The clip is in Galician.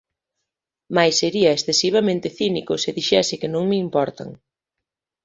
Mais sería excesivamente cínico se dixese que non me importan.